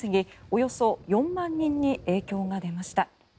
およそ４万人に影響が出ました。